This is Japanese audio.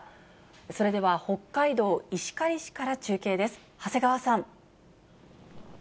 それでは、北海道石狩市から中継です、長谷川さん。